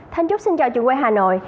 thành chúc xin chào trường quay hà nội